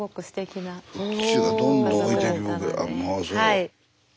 はい。